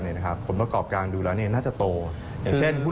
อยู่เยอะแยะมากมายอย่างที่พี่เอกพูดคือลงกลั่น